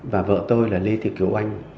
và vợ tôi là lê thị kiều anh